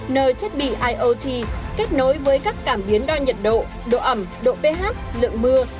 nơi thiết bị iot kết nối với các cảm biến đo nhiệt độ độ ẩm độ ph lượng mưa